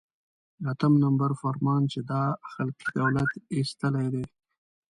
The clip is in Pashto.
اتم نمبر فرمان چې دا خلقي دولت ایستلی دی.